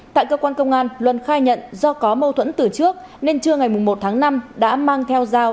tại cơ quan công an luân khai nhận do có mâu thuẫn từ trước nên trưa ngày một tháng năm đã mang theo dao